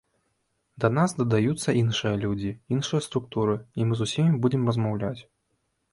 Да нас дадаюцца іншыя людзі, іншыя структуры, і мы з усімі будзем размаўляць.